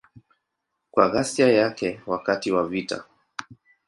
Kwa ghasia yake wakati wa vita.